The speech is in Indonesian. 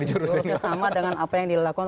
sama dengan apa yang dilakukan